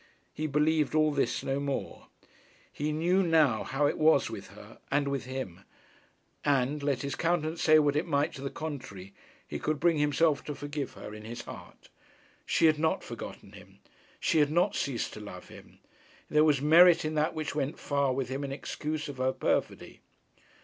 He believed all this no more. He knew now how it was with her and with him, and, let his countenance say what it might to the contrary, he could bring himself to forgive her in his heart. She had not forgotten him! She had not ceased to love him! There was merit in that which went far with him in excuse of her perfidy.